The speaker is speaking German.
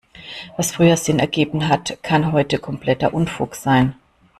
Was früher Sinn ergeben hat, kann heute kompletter Unfug sein.